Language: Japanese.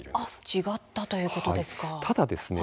違ったということですか。